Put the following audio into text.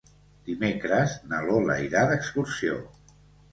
Dimecres na Lola irà d'excursió.